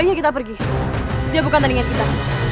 sudah kita pergi dia bukan telinga kita